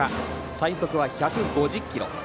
最速は１５０キロ。